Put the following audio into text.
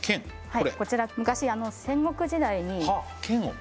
はいこちら昔戦国時代に剣を？